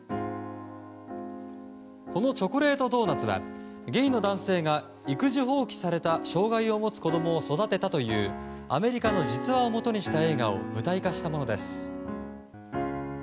この「チョコレートドーナツ」はゲイの男性が、育児放棄された障害を持つ子供を育てたというアメリカの実話をもとにした映画を舞台化したものです。